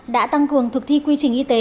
đã tăng cường thực thi quy trình y tế